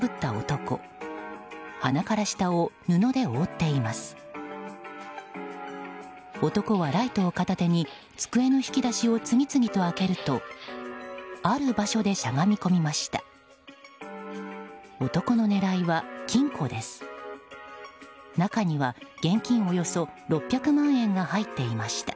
男はライトを片手に机の引き出しを次々と開けるとある場所でしゃがみ込みました。